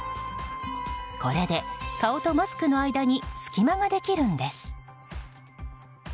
これで顔とマスクの間に隙間ができるんです。